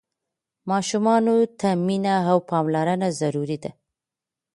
ماشومانو ته مينه او پاملرنه ضروري ده.